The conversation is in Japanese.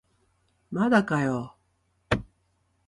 まだかよ